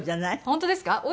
本当ですか？